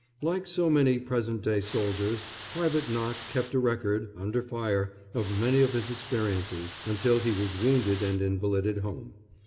Like so many present day soldiers Private Knott kept a record, under fire, of many of his experiences, until he was wounded and invalided home.